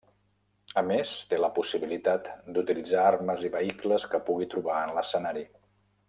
A més té la possibilitat d'utilitzar armes i vehicles que pugui trobar en l'escenari.